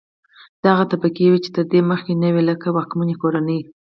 دا هغه طبقې وې چې تر دې مخکې نه وې لکه واکمنې کورنۍ.